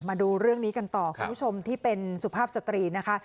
มาดูเรื่องนี้กันต่อคุณผู้ชมที่เป็นสุภาพสตรีนะคะ